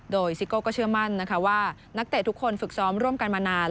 โดยซิโก้ก็เชื่อมั่นนะคะว่านักเตะทุกคนฝึกซ้อมร่วมกันมานาน